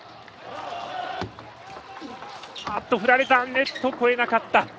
ネット越えなかった。